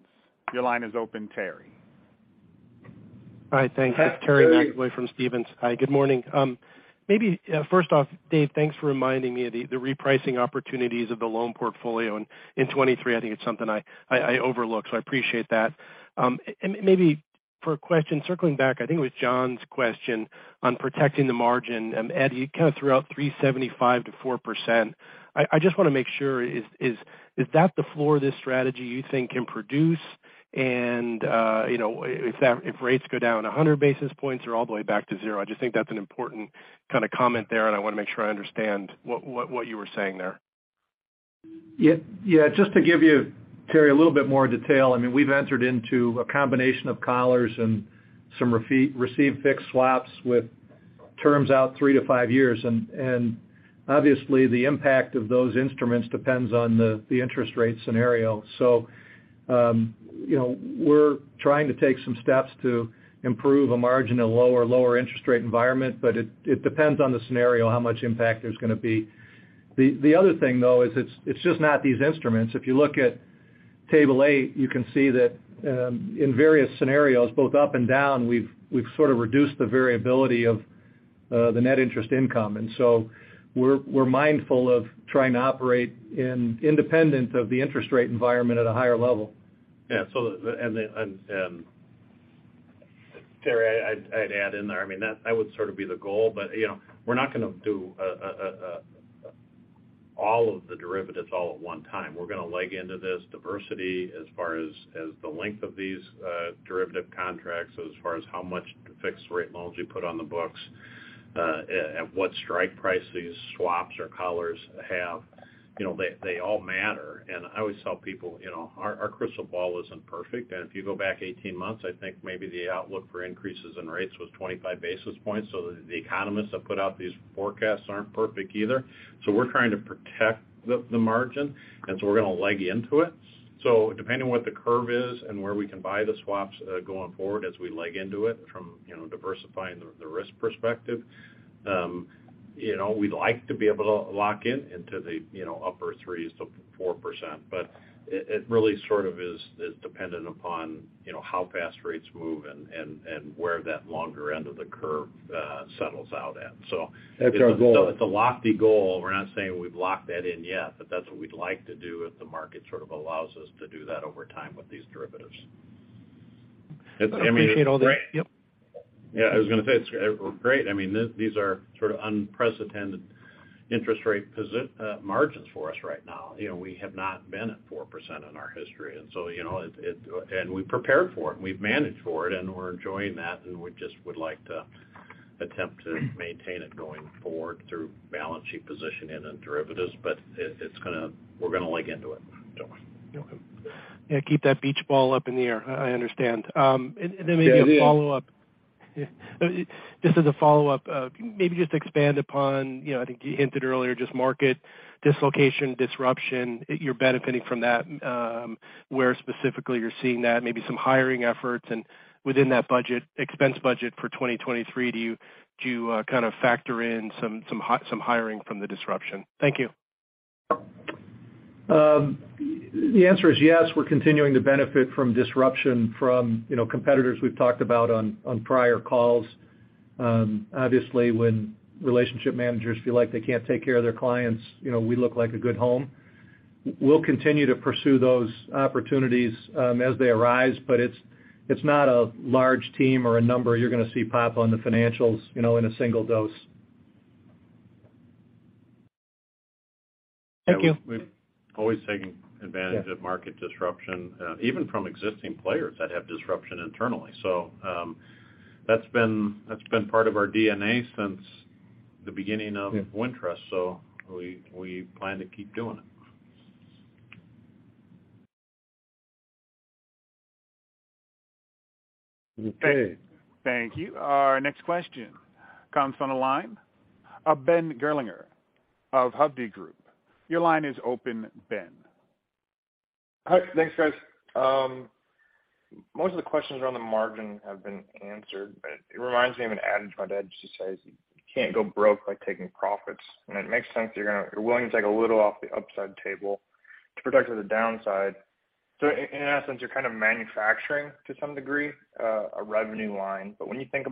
Your line is open, Terry. All right. Thanks. It's Terry McEvoy from Stephens. Hi, good morning. Maybe, first off, Dave, thanks for reminding me of the repricing opportunities of the loan portfolio in 2023. I think it's something I overlooked, so I appreciate that. Maybe for a question circling back, I think it was John's question on protecting the margin. Eddie, you kind of threw out 3.75%-4%. I just wanna make sure is that the floor of this strategy you think can produce? You know, if rates go down 100 basis points or all the way back to zero? I just think that's an important kind of comment there, and I wanna make sure I understand what you were saying there. Yeah. Yeah. Just to give you, Terry, a little bit more detail, I mean, we've entered into a combination of collars and some received fixed swaps with terms out three to five years. Obviously the impact of those instruments depends on the interest rate scenario. You know, we're trying to take some steps to improve a margin in a lower interest rate environment, but it depends on the scenario how much impact there's gonna be. The other thing, though, is it's just not these instruments. If you look at table 8, you can ee that in various scenarios, both up and down, we've sort of reduced the variability of the net interest income. We're mindful of trying to operate in independent of the interest rate environment at a higher level. Yeah. Terry, I'd add in there, I mean, that would sort of be the goal. You know, we're not gonna do all of the derivatives all at one time. We're gonna leg into this diversity as far as the length of these derivative contracts, as far as how much fixed rate loans we put on the books, and what strike price these swaps or interest rate collars have. You know, they all matter. I always tell people, you know, our crystal ball isn't perfect. If you go back 18 months, I think maybe the outlook for increases in rates was 25 basis points. The economists that put out these forecasts aren't perfect either. We're trying to protect the margin, we're gonna leg into it. depending on what the curve is and where we can buy the swaps, going forward as we leg into it from, you know, diversifying the risk perspective, you know, we'd like to be able to lock in into the, you know, upper 3%-4%. It really sort of is dependent upon, you know, how fast rates move and where that longer end of the curve, settles out at. That's our goal.... it's a lofty goal. We're not saying we've locked that in yet, but that's what we'd like to do if the market sort of allows us to do that over time with these derivatives. I appreciate. I mean- Yep. Yeah, I was gonna say, it's great. I mean, these are sort of unprecedented interest rate margins for us right now. You know, we have not been at 4% in our history. You know, it. We've prepared for it, and we've managed for it, and we're enjoying that. We just would like to attempt to maintain it going forward through balance sheet positioning and derivatives. We're gonna leg into it. Yeah. Keep that beach ball up in the air. I understand. Maybe a follow-up. Yeah, it is. Just as a follow-up, maybe just expand upon, you know, I think you hinted earlier, just market dislocation, disruption, you're benefiting from that. Where specifically you're seeing that, maybe some hiring efforts. Within that budget, expense budget for 2023, do you kind of factor in some hiring from the disruption? Thank you. The answer is yes. We're continuing to benefit from disruption from, you know, competitors we've talked about on prior calls. Obviously, when relationship managers feel like they can't take care of their clients, you know, we look like a good home. We'll continue to pursue those opportunities, as they arise, but it's not a large team or a number you're gonna see pop on the financials, you know, in a single dose. Thank you. We've always taken advantage of market disruption, even from existing players that have disruption internally. That's been part of our DNA since the beginning of Wintrust, so we plan to keep doing it. Okay. Thank you. Our next question comes from the line of Ben Gerlinger of Hovde Group. Your line is open, Ben. Hi. Thanks, guys. Most of the questions around the margin have been answered. It reminds me of an adage my dad used to say, "You can't go broke by taking profits." It makes sense you're willing to take a little off the upside table to protect the downside. In essence, you're kind of manufacturing to some degree a revenue line. When you think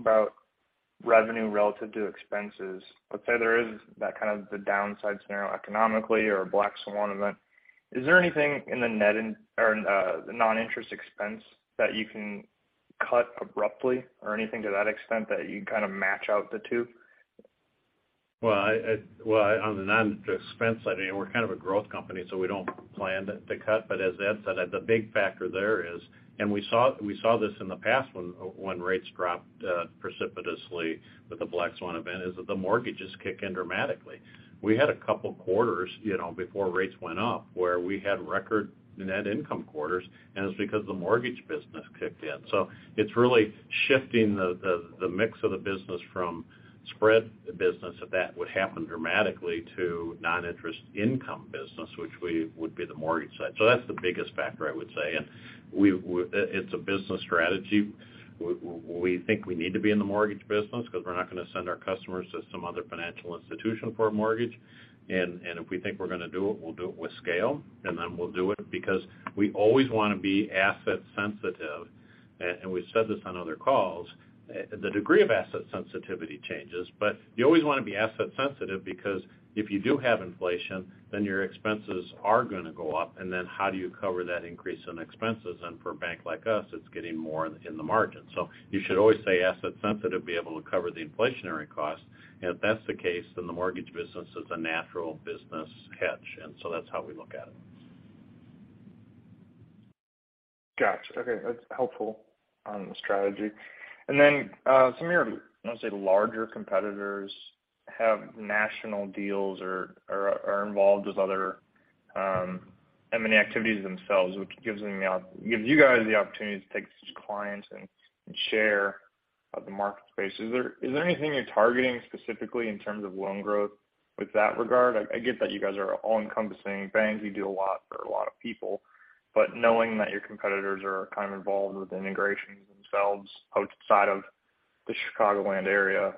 about revenue relative to expenses, let's say there is that kind of the downside scenario economically or a black swan event, is there anything in the non-interest expense that you can cut abruptly or anything to that extent that you kind of match out the two? On the non-expense side, I mean, we're kind of a growth company, so we don't plan to cut. As Ed said, the big factor there is, and we saw this in the past when rates dropped precipitously with the Black Swan event, is that the mortgages kick in dramatically. We had a couple quarters, you know, before rates went up, where we had record net income quarters, and it's because the mortgage business kicked in. It's really shifting the mix of the business from spread business, if that would happen dramatically, to non-interest income business, which would be the mortgage side. That's the biggest factor I would say. It's a business strategy. We think we need to be in the mortgage business because we're not gonna send our customers to some other financial institution for a mortgage. If we think we're gonna do it, we'll do it with scale, and then we'll do it because we always wanna be asset sensitive. We've said this on other calls, the degree of asset sensitivity changes, but you always want to be asset sensitive because if you do have inflation, then your expenses are going to go up, and then how do you cover that increase in expenses? For a bank like us, it's getting more in the margin. You should always stay asset sensitive to be able to cover the inflationary costs. If that's the case, then the mortgage business is a natural business hedge. That's how we look at it. Gotcha. Okay, that's helpful on the strategy. Then some of your, I'll say, larger competitors have national deals or are involved with other M&A activities themselves, which gives you guys the opportunity to take such clients and share the market space. Is there anything you're targeting specifically in terms of loan growth with that regard? I get that you guys are all-encompassing bank. You do a lot for a lot of people. Knowing that your competitors are kind of involved with integrations themselves outside of the Chicagoland area,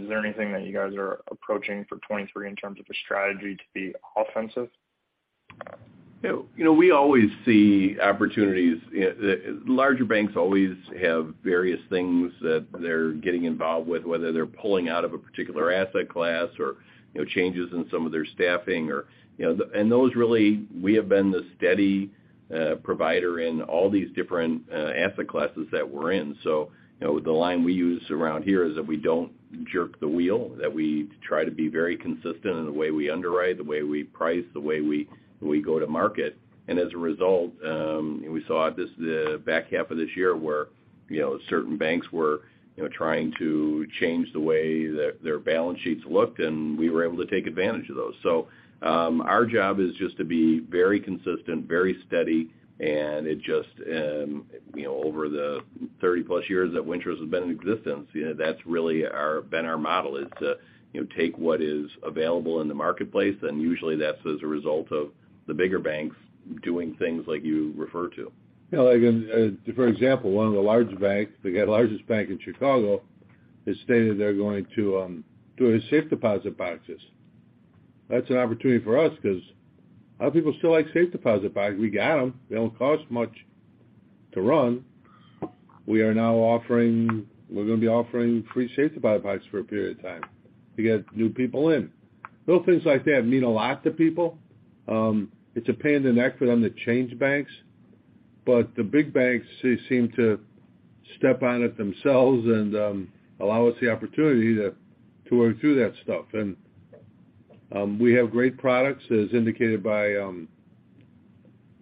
is there anything that you guys are approaching for 2023 in terms of a strategy to be offensive? You know, we always see opportunities. Larger banks always have various things that they're getting involved with, whether they're pulling out of a particular asset class or, you know, changes in some of their staffing or, you know. Those really, we have been the steady provider in all these different asset classes that we're in. So, you know, the line we use around here is that we don't jerk the wheel, that we try to be very consistent in the way we underwrite, the way we price, the way we go to market. As a result, we saw this the back half of this year where, you know, certain banks were, you know, trying to change the way their balance sheets looked, and we were able to take advantage of those. Our job is just to be very consistent, very steady, and it just, you know, over the 30-plus years that Wintrust has been in existence, you know, that's really been our model, is to, you know, take what is available in the marketplace, and usually that's as a result of the bigger banks doing things like you refer to. Yeah, like in, for example, one of the large banks, I think the largest bank in Chicago, has stated they're going to doing safe deposit boxes. That's an opportunity for us because a lot of people still like safe deposit boxes. We got them. They don't cost much to run. We're going to be offering free safe deposit boxes for a period of time to get new people in. Little things like that mean a lot to people. The big banks, they seem to step on it themselves and allow us the opportunity to work through that stuff. We have great products as indicated by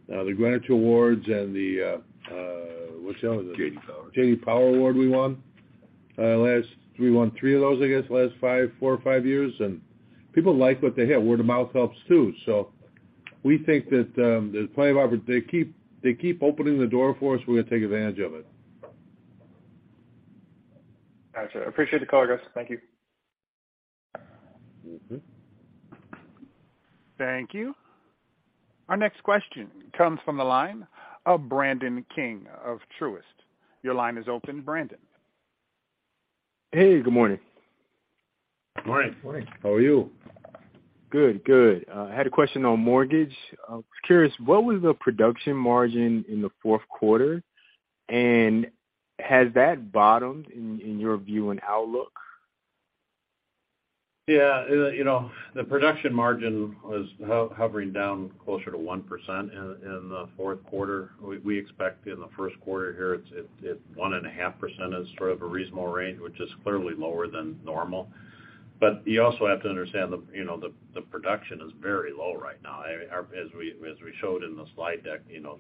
the Greenwich Excellence Awards and the what's the other one? J.D. Power. J.D. Power Award we won. We won three of those, I guess, last five, four or five years. People like what they have. Word of mouth helps too. We think that, there's plenty of they keep opening the door for us. We're going to take advantage of it. Got you. I appreciate the color, guys. Thank you. Mm-hmm. Thank you. Our next question comes from the line of Brandon King of Truist. Your line is open, Brandon. Hey, good morning. Morning. Morning. How are you? Good, good. I had a question on mortgage. I was curious, what was the production margin in the fourth quarter? Has that bottomed in your view and outlook? Yeah. You know, the production margin was hovering down closer to 1% in the fourth quarter. We expect in the first quarter here, 1.5% is sort of a reasonable range, which is clearly lower than normal. You also have to understand the, you know, the production is very low right now. I mean, as we showed in the slide deck, you know,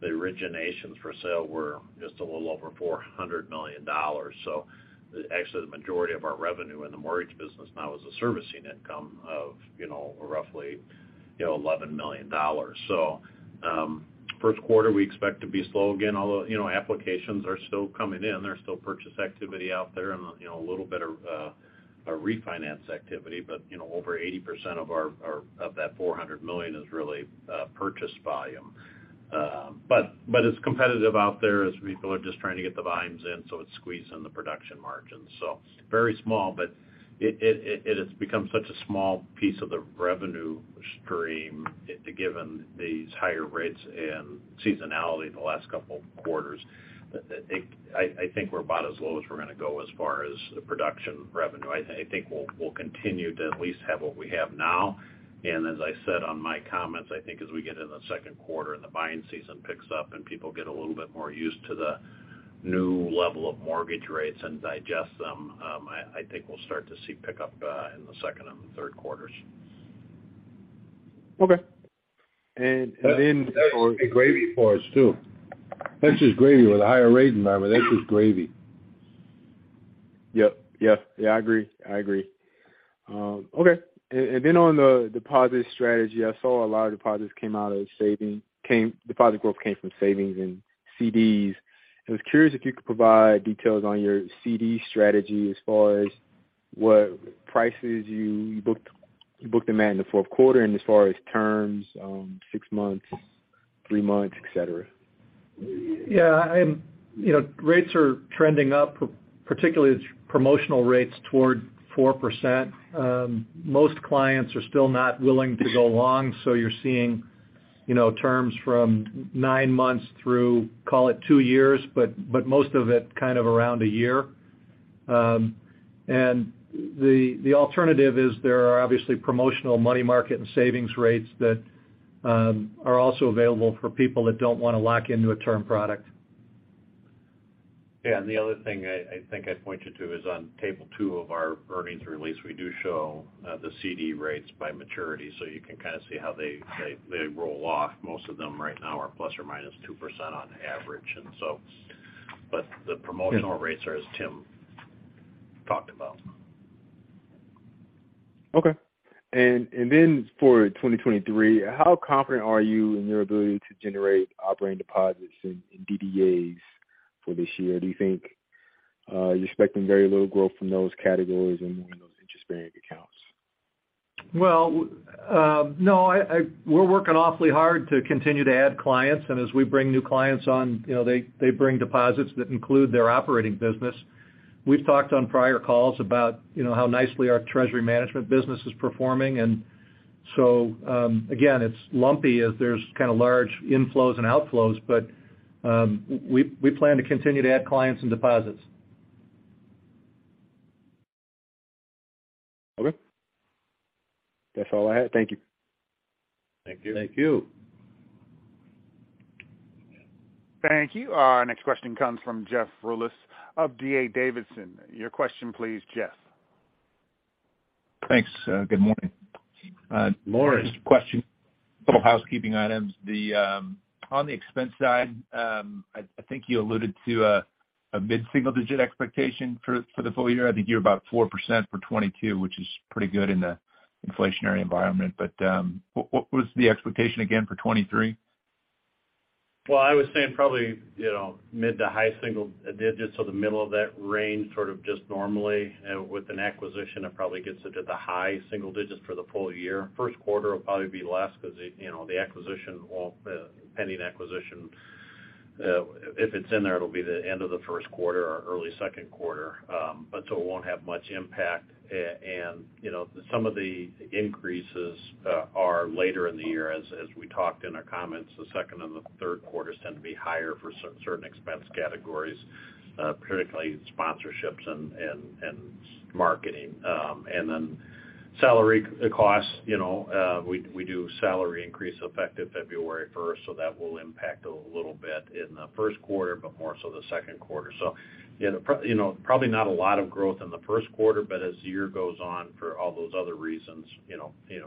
the originations for sale were just a little over $400 million. Actually the majority of our revenue in the mortgage business now is a servicing income of, you know, roughly, you know, $11 million. First quarter, we expect to be slow again, although, you know, applications are still coming in. There's still purchase activity out there and, you know, a little bit of a refinance activity. You know, over 80% of our of that $400 million is really purchase volume. But it's competitive out there as people are just trying to get the volumes in, so it's squeezing the production margins. Very small, but it has become such a small piece of the revenue stream, given these higher rates and seasonality in the last couple quarters, that I think we're about as low as we're going to go as far as the production revenue. I think we'll continue to at least have what we have now. As I said on my comments, I think as we get in the second quarter and the buying season picks up and people get a little bit more used to the new level of mortgage rates and digest them, I think we'll start to see pickup in the second and the third quarters. Okay. That is gravy for us too. That's just gravy with a higher rate environment. That's just gravy. Yep. Yes. Yeah, I agree. I agree. Okay. And then on the deposit strategy, I saw a lot of deposits came out of savings, deposit growth came from savings and CDs. I was curious if you could provide details on your CD strategy as far as what prices you booked them at in the fourth quarter, and as far as terms, six months, three months, et cetera. Yeah. You know, rates are trending up, particularly promotional rates toward 4%. Most clients are still not willing to go long, so you're seeing, you know, terms from nine months through, call it two years, but most of it kind of around a year. The alternative is there are obviously promotional money market and savings rates that are also available for people that don't wanna lock into a term product. Yeah. The other thing I think I'd point you to is on Table 2 of our earnings release, we do show the CD rates by maturity. You can kind of see how they roll off. Most of them right now are plus or minus 2% on average. The promotional rates are, as Tim talked about. Okay. For 2023, how confident are you in your ability to generate operating deposits in DDAs for this year? Do you think you're expecting very little growth from those categories and more in those interest-bearing accounts? Well, no, we're working awfully hard to continue to add clients. As we bring new clients on, you know, they bring deposits that include their operating business. We've talked on prior calls about, you know, how nicely our treasury management business is performing. Again, it's lumpy as there's kind of large inflows and outflows, but we plan to continue to add clients and deposits. Okay. That's all I had. Thank you. Thank you. Thank you. Thank you. Our next question comes from Jeff Rulis of D.A. Davidson. Your question please, Jeff. Thanks. Good morning. Morning. Just a question. A couple housekeeping items. On the expense side, I think you alluded to a mid-single-digit expectation for the full year. I think you're about 4% for 2022, which is pretty good in the inflationary environment. What was the expectation again for 2023? I was saying probably, you know, mid to high single digits. So the middle of that range, sort of just normally. With an acquisition, it probably gets into the high single digits for the full year. First quarter will probably be less because, you know, the acquisition won't, pending acquisition, if it's in there, it'll be the end of the first quarter or early second quarter. It won't have much impact. You know, some of the increases are later in the year, as we talked in our comments. The second and third quarters tend to be higher for certain expense categories, particularly sponsorships and marketing. Salary costs, we do a salary increase effective February 1st, so that will impact a little bit in the 1st quarter, but more so the second quarter. Probably not a lot of growth in the first quarter, but as the year goes on for all those other reasons,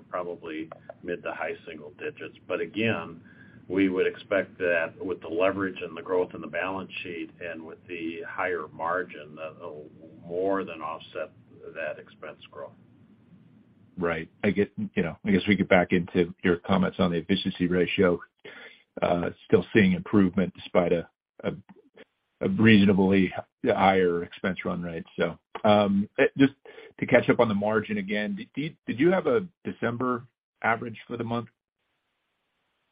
probably mid- to high-single digits. Again, we would expect that with the leverage and the growth in the balance sheet and with the higher margin, that'll more than offset that expense growth. Right. I get, you know, I guess we get back into your comments on the efficiency ratio. Still seeing improvement despite a reasonably higher expense run rate. Just to catch up on the margin again, did you have a December average for the month?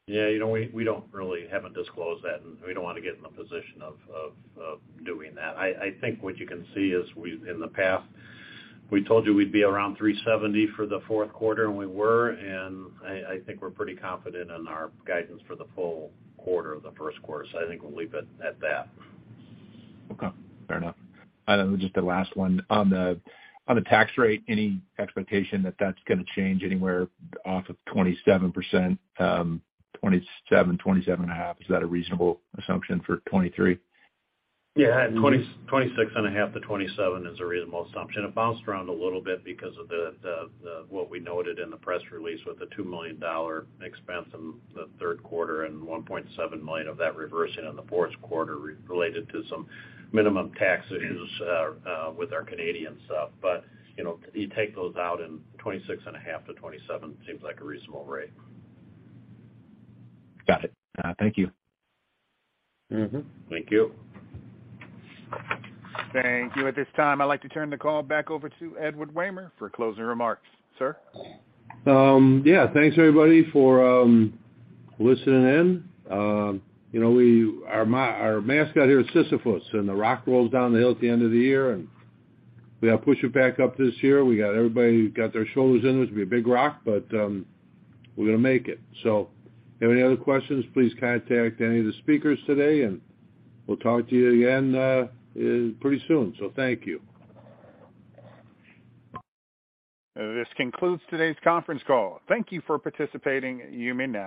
Yeah. You know, we don't haven't disclosed that. We don't wanna get in the position of doing that. I think what you can see is we've in the past, we told you we'd be around 370 for the fourth quarter. We were. I think we're pretty confident in our guidance for the full quarter of the first quarter. I think we'll leave it at that. Okay. Fair enough. Then just the last one. On the tax rate, any expectation that that's gonna change anywhere off of 27%? 27.5%, is that a reasonable assumption for 2023? Yeah. 26.5-27 is a reasonable assumption. It bounced around a little bit because of what we noted in the press release with the $2 million expense in the third quarter and $1.7 million of that reversing in the fourth quarter related to some minimum tax issues with our Canadian stuff. You know, you take those out and 26.5-27 seems like a reasonable rate. Got it. Thank you. Mm-hmm. Thank you. Thank you. At this time, I'd like to turn the call back over to Edward Wehmer for closing remarks. Sir? Yeah, thanks, everybody, for listening in. You know, our mascot here is Sisyphus, and the rock rolls down the hill at the end of the year, and we gotta push it back up this year. We got everybody who got their shoulders in. It's gonna be a big rock, but we're gonna make it. If you have any other questions, please contact any of the speakers today, and we'll talk to you again pretty soon. Thank you. This concludes today's conference call. Thank you for participating. You may now disconnect.